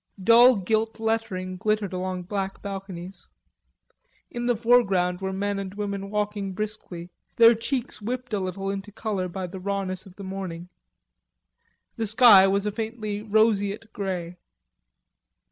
Dull gilt lettering glittered along black balconies. In the foreground were men and women walking briskly, their cheeks whipped a little into color by the rawness of the morning. The sky was a faintly roseate grey.